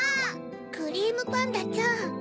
クリームパンダちゃん。